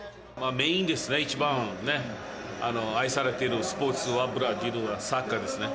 メインですね、一番、ね、愛されてるスポーツは、ブラジルはサッカーですね。